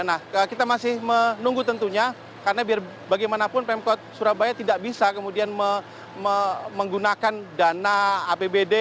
nah kita masih menunggu tentunya karena bagaimanapun pemkot surabaya tidak bisa kemudian menggunakan dana apbd